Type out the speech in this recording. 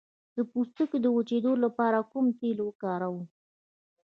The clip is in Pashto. د پوستکي د وچیدو لپاره کوم تېل وکاروم؟